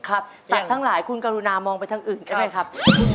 สัตว์ทั้งหลายคุณกรุณามองไปทางอื่นก็ได้ครับ